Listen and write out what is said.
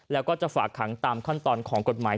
แล้วก็จะฝากขังตามขั้นตอนของกฎหมาย